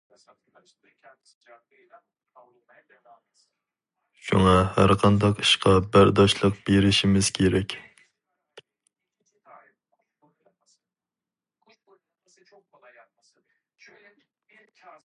شۇڭا ھەرقانداق ئىشقا بەرداشلىق بېرىشىمىز كېرەك.